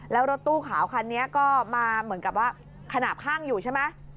แล้วรถตู้ขาวคันนี้ก็มาเหมือนกับว่าขนาดข้างอยู่ใช่ไหม